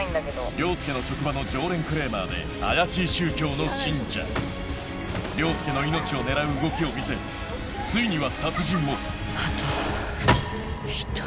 凌介の職場の常連クレーマーで凌介の命を狙う動きを見せついには殺人をあと１人。